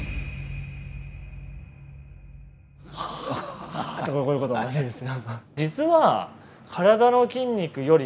「はっ」とこういうことになるんですよ。